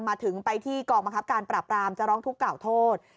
ไปถึงไปที่กองบังคับการปราบรามจะร้องทุกข์กล่าวโทษ